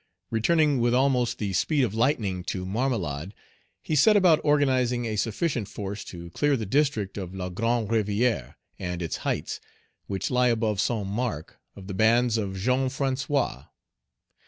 Returning with almost the speed of lightning to Marmelade, he set about organizing a sufficient force to clear the district of La Grande Rivière and its heights, which lie above Saint Marc, of the bands of Jean François.